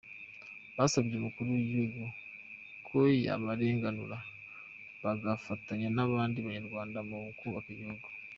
Basabye Umukuru w'igihugu ko yabarenganura, bagafatanya n'abandi banyarwanda mu kubaka igihugu.